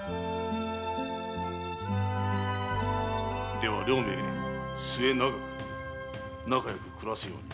では両名末永く仲よく暮らすように。